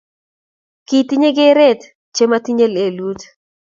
Kiitinye keret che matinye lelut